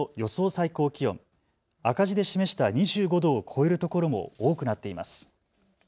最高気温、赤字で示した２５度を超える所も多くなっています。